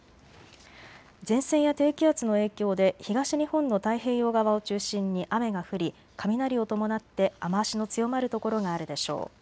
前線や低気圧の影響で東日本の太平洋側を中心に雨が降り雷を伴って雨足の強まる所があるでしょう。